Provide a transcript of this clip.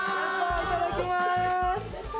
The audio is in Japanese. いただきまーす！